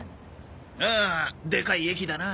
ああでかい駅だな。